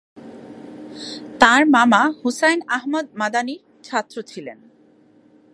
তাঁর মামা হুসাইন আহমদ মাদানির ছাত্র ছিলেন।